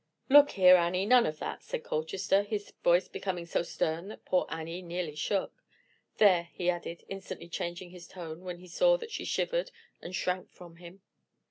"Look here, Annie, none of that," said Colchester, his voice becoming so stern that poor Annie nearly shook. "There," he added, instantly changing his tone when he saw that she shivered and shrank from him.